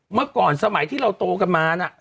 เมื่อก่อนสมัยที่เราโตกันมานะ